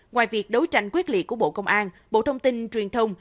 ngoài việc đấu tranh quyết liệt của bộ công an bộ thông tin truyền thông